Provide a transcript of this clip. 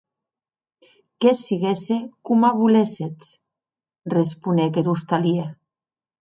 Que sigue coma voléssetz, responec er ostalièr.